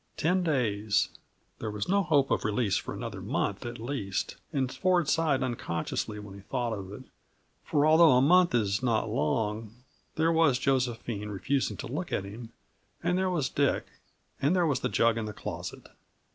Ten days there was no hope of release for another month, at least, and Ford sighed unconsciously when he thought of it; for although a month is not long, there was Josephine refusing to look at him, and there was Dick and there was the jug in the closet.